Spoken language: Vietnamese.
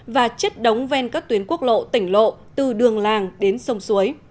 và chất đống ven các tuyến quốc lộ tỉnh lộ từ đường làng đến sông suối